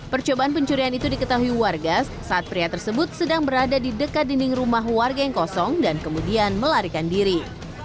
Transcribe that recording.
percobaan pencurian itu diketahui warga saat pria tersebut sedang berada di dekat dinding rumah warga yang kosong dan kemudian melarikan diri